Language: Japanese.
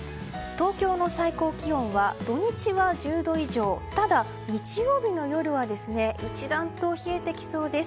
東京の最高気温は土日は１０度以上ただ、日曜日の夜は一段と冷えてきそうです。